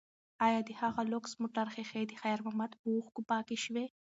ایا د هغه لوکس موټر ښیښې د خیر محمد په اوښکو پاکې شوې؟